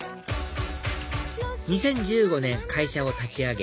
２０１５年会社を立ち上げ